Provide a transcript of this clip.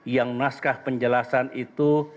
yang naskah penjelasan itu